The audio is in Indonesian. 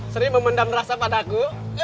sri memendam rasa padaku